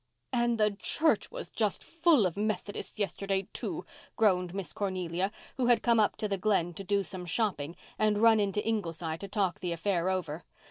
"And the church was just full of Methodists yesterday, too," groaned Miss Cornelia, who had come up to the Glen to do some shopping and run into Ingleside to talk the affair over.